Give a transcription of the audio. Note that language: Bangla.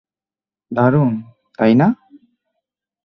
দারুণ, তাই না?